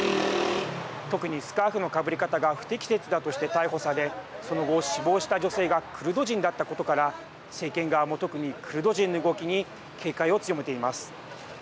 特に、スカーフのかぶり方が不適切だとして逮捕されその後、死亡した女性がクルド人だったことから政権側も特にクルド人の動きに警戒を強めています。